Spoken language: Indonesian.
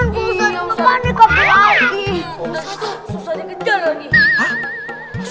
kenan pak ustadz fani kabur lagi